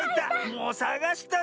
もうさがしたぞ。